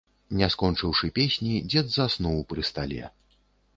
Не скончыўшы песні, дзед заснуў пры стале.